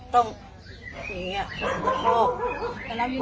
ต้องอย่างงี้